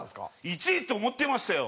１位って思ってましたよ。